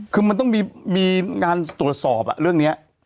คือมันต้องมีงานตรวจสอบเรื่องนี้